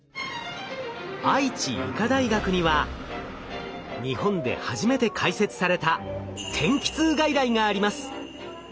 愛知医科大学には日本で初めて開設された天気痛外来があります。